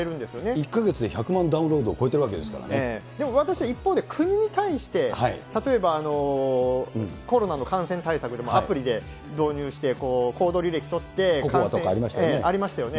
１か月で１００万ダウンローでも私は一方で、国に対して、例えばコロナの感染対策でもアプリで導入して、ＣＯＣＯＡとかありましたね。